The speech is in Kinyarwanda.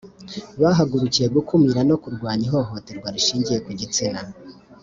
Bahagurikiye gukumira no kurwanya ihohoterwa rishingiye ku gitsina